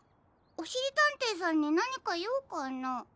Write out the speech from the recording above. おしりたんていさんになにかようかな？